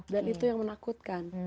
dan itu yang menakutkan